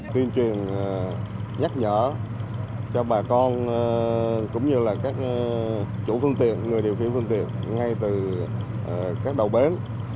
tuyên truyền nhắc nhở cho bà con cũng như là các chủ phương tiện người điều khiển phương tiện ngay từ các đầu bến